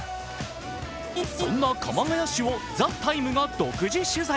そんな鎌ケ谷市を「ＴＨＥＴＩＭＥ，」が独自取材。